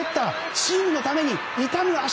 チームのために痛む足。